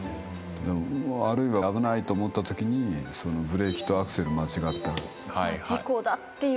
あるいは危ないと思ったときにブレーキとアクセル間違った。